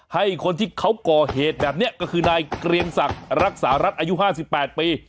ให้คนที่เขาก่อเหตุแบบนี้ก็คือนายเกรียงศักดิ์รักษารัฐอายุ๕๘ปี